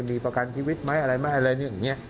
มีประกันชีวิตไหมอะไรแบบนี้